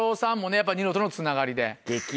やっぱニノとのつながりで。